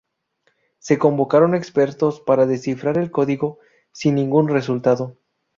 Se convocaron expertos para descifrar el código, sin ningún resultado.